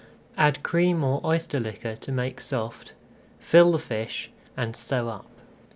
Add cream or oyster liquor to make soft, fill the fish, and sew up.